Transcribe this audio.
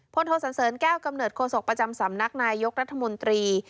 โทสันเสริญแก้วกำเนิดโศกประจำสำนักนายยกรัฐมนตรี